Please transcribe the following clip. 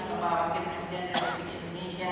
kepala wakil presiden dpr indonesia